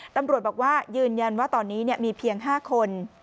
ตำรวจบอกว่ายืนยันว่าตอนนี้มีเพียง๕คน